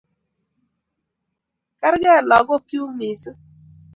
Kergei lagok chu kuk missing'